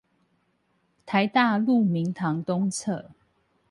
臺大鹿鳴堂東側